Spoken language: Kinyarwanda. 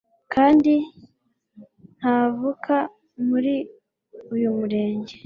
kand ntavuka muri uyu murenge